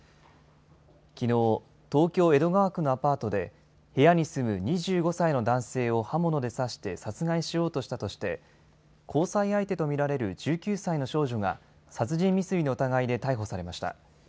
きのう、東京・江戸川区のアパートで、部屋に住む２５歳の男性を刃物で刺して殺害しようとしたとして、交際相手と見られる１９歳の少女が、殺人未遂の疑いで逮捕されました。